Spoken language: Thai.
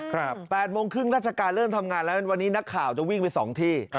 แปดโมงครึ่งราชการเริ่มทำงานแล้ววันนี้นักข่าวจะวิ่งไปสองที่